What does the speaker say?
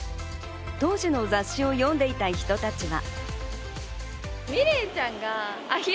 当時の雑誌を読んでいた人たちは。